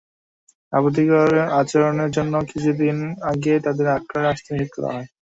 আপত্তিকর আচরণের জন্য কিছুদিন আগে তাঁদের আখড়ায় আসতে নিষেধ করা হয়।